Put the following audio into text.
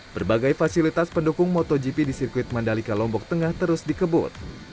berbagai fasilitas pendukung motogp di sirkuit mandalika lombok tengah terus dikebut